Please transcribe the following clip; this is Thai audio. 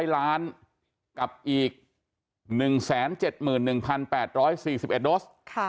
๐ล้านกับอีก๑๗๑๘๔๑โดส